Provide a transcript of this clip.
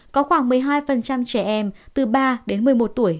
có khoảng một mươi hai trẻ em từ ba đến một mươi một tuổi